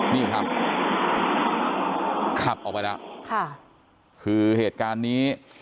นี่ครับขับออกไปแล้วค่ะคือเหตุการณ์นี้